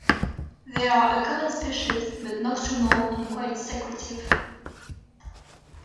They are a common species, but nocturnal and quite secretive.